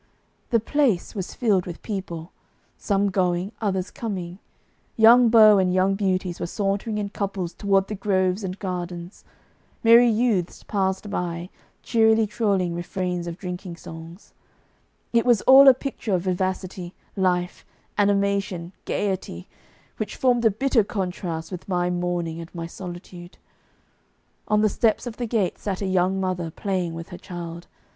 The Place was filled with people, some going, others coming; young beaux and young beauties were sauntering in couples toward the groves and gardens; merry youths passed by, cheerily trolling refrains of drinking songs it was all a picture of vivacity, life, animation, gaiety, which formed a bitter contrast with my mourning and my solitude. On the steps of the gate sat a young mother playing with her child.